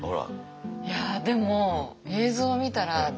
いやでも映像見たら。